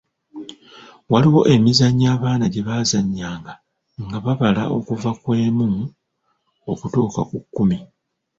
Waliwo emizannyo abaana gye baazannyanga nga babala okuva ku emu okutuuka ku kkumi.